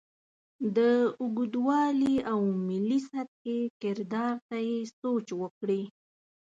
د اوږدوالي او ملي سطحې کردار ته یې سوچ وکړې.